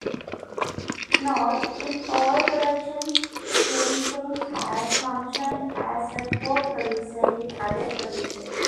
Note: In all productions Weinstein has functioned as a co-producer with other producers.